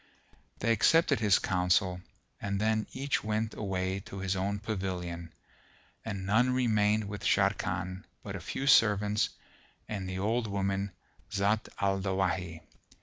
They accepted his counsel and then each went away to his own pavilion, and none remained with Sharrkan but a few servants and the old woman Zat al Dawahi.